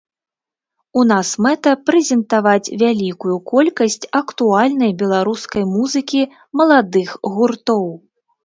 У нас мэта прэзентаваць вялікую колькасць актуальнай беларускай музыкі маладых гуртоў.